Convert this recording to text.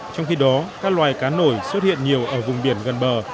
trong khi đó các loài cá nổi xuất hiện nhiều ở vùng biển gần bờ